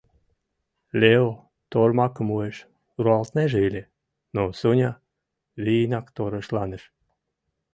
Лео тормакым уэш руалтынеже ыле, но Соня вийынак торешланыш.